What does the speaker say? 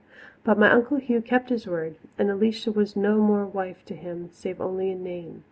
But my Uncle Hugh kept his word, and Alicia was no more wife to him, save only in name.